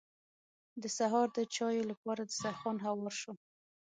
د سهار د چايو لپاره دسترخوان هوار شو.